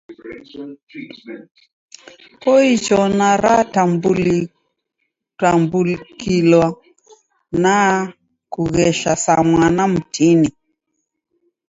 Koicho naratambukilwa na kughesha sa mwana mtini.